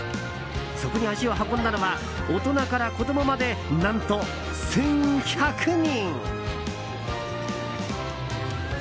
そこに足を運んだのは大人から子供まで何と１１００人！